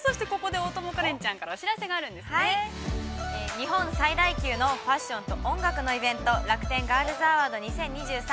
日本最大級のファッションと音楽のイベント「楽天ガールズアワード２０２３